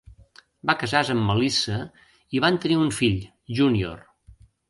Va casar-se amb Melissa i van tenir un fill, Junior.